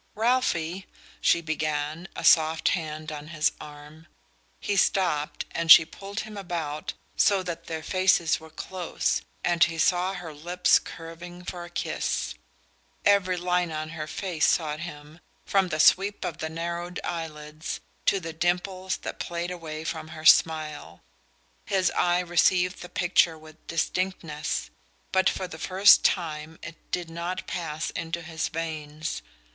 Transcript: "Ralphie " she began, a soft hand on his arm. He stopped, and she pulled him about so that their faces were close, and he saw her lips curving for a kiss. Every line of her face sought him, from the sweep of the narrowed eyelids to the dimples that played away from her smile. His eye received the picture with distinctness; but for the first time it did not pass into his veins.